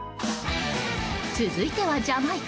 続いてはジャマイカ。